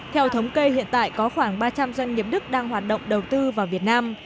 theo thống kê hiện tại có khoảng ba trăm linh doanh nghiệp đức đang hoạt động đầu tư vào việt nam